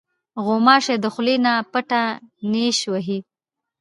غوماشې د خولې نه پټه نیش وهي.